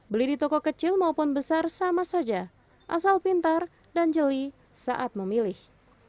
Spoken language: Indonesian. beli di toko kecil maupun besar sama saja asal pintar dan jeli saat memilih